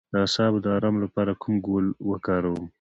د اعصابو د ارام لپاره کوم ګل وکاروم؟